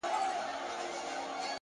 هو رشتيا;